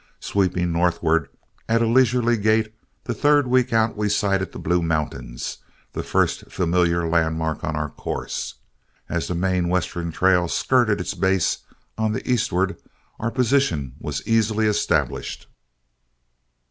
Sweeping northward at a leisurely gait, the third week out we sighted the Blue Mountains, the first familiar landmark on our course. As the main western trail skirted its base on the eastward, our position was easily established.